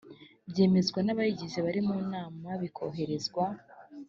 byemezwa n abayigize bari mu nama bikohererezwa